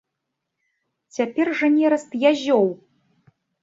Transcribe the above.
Цяпер жа нераст язёў.